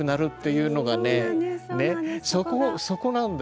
ねそこなんだよ。